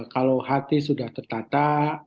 kalau hati sudah tertata